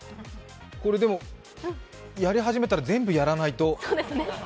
でも、やり始めたら全部やらないと。